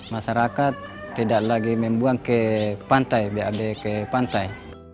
masyarakat tidak lagi membuang ke pantai biar ada di pantai